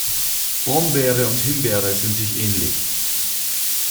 Brombeere und Himbeere sind sich ähnlich.